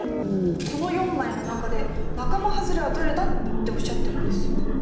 「この４枚の中で仲間はずれはどれだ？」っておっしゃってるんです。